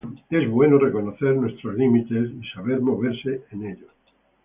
Es bueno reconocer nuestros límites y saber moverse en ellos.